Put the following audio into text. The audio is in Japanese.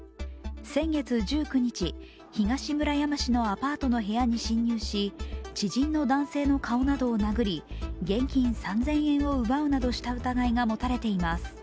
先月１９日、東村山市のアパートの部屋に侵入し知人の男性の顔などを殴り、現金３０００円などを奪うなどした疑いが持たれています。